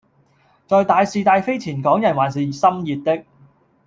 在大事大非前港人還是心熱的